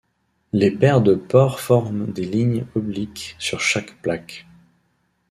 Les paires de pores forment des lignes obliques sur chaque plaque.